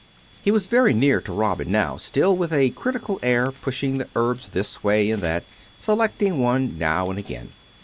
..." He was very near to Robin now, still, with a critical air pushing the herbs this way and that, selecting one now and again.